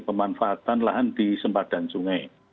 pemanfaatan lahan di sempadan sungai